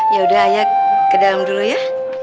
yaudah ayo ke dalam dulu ya